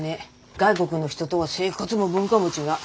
外国の人とは生活も文化も違う。